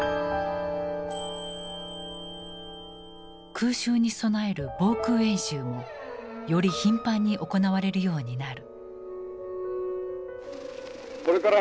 空襲に備える防空演習もより頻繁に行われるようになる。